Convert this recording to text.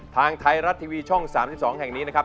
ทางไทยรัฐทีวีช่อง๓๒แห่งนี้นะครับ